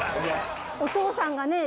お父さんがね